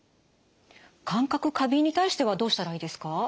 感覚過敏に対してはどうしたらいいですか？